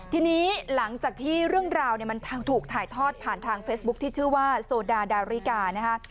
ทีนี้หลังจากที่เรื่องราวเนี่ยมันถูกถ่ายทอดผ่านทางเฟซบุ๊คที่ชื่อว่าโซดาดาริกานะคะ